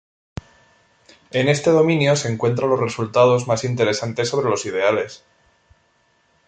En este dominio se encuentran los resultados más interesantes sobre los ideales.